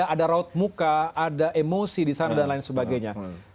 ada raut muka ada emosi di sana dan lain sebagainya